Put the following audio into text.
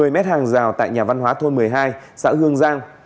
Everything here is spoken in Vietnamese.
một mươi m hàng rào tại nhà văn hóa thôn một mươi hai xã hương giang